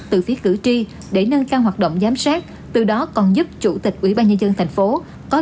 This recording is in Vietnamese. từ phía cử tri để nâng cao hoạt động giám sát từ đó còn giúp chủ tịch ủy ban nhân dân thành phố có